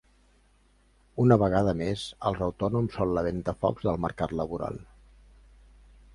Una vegada més, els autònoms són la ventafocs del mercat laboral.